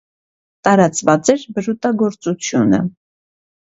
Տարածված էր բրուտագործությունը։